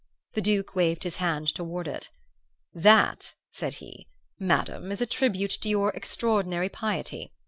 The Duke waved his hand toward it. 'That,' said he, 'Madam, is a tribute to your extraordinary piety.